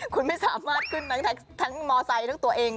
คุณไม่สามารถขึ้นทั้งมอไซค์ทั้งตัวเอง